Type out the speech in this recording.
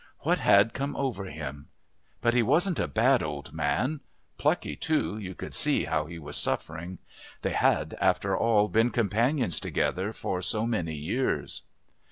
What had come over him? But he wasn't a bad old man; plucky, too; you could see how he was suffering. They had, after all, been companions together for so many years....